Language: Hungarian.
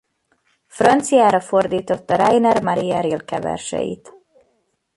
Franciára fordította Rainer Maria Rilke verseit.